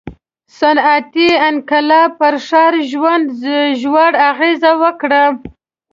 • صنعتي انقلاب پر ښاري ژوند ژوره اغېزه وکړه.